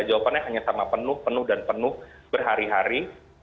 jawabannya hanya sama penuh penuh dan penuh berhari hari